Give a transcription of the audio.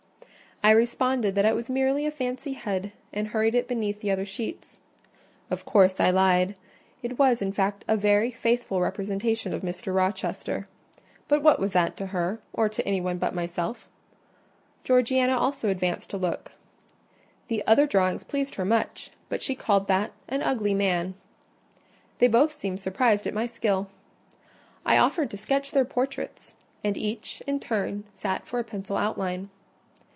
I responded that it was merely a fancy head, and hurried it beneath the other sheets. Of course, I lied: it was, in fact, a very faithful representation of Mr. Rochester. But what was that to her, or to any one but myself? Georgiana also advanced to look. The other drawings pleased her much, but she called that "an ugly man." They both seemed surprised at my skill. I offered to sketch their portraits; and each, in turn, sat for a pencil outline.